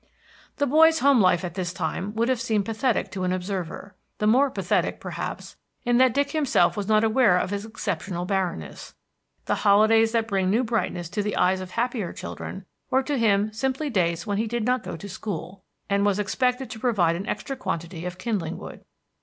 The boy's home life at this time would have seemed pathetic to an observer, the more pathetic, perhaps, in that Dick himself was not aware of its exceptional barrenness. The holidays that bring new brightness to the eyes of happier children were to him simply days when he did not go to school, and was expected to provide an extra quantity of kindling wood.